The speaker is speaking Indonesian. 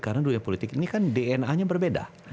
karena dunia politik ini kan dna nya berbeda